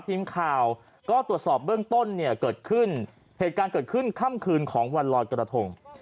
ทีมข่าวก็ตรวจสอบเบื้องต้นเหตุการณ์เกิดขึ้นค่ำคืนของวันรอยกระทง